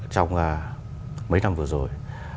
trong mấy năm vừa rồi